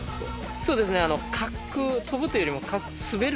そうですね滑空。